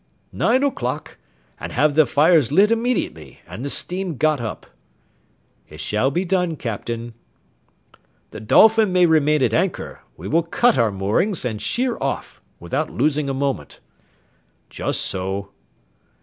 "Nine o'clock, and have the fires lit immediately, and the steam got up." "It shall be done, Captain." "The Dolphin may remain at anchor; we will cut our moorings and sheer off, without losing a moment." "Just so."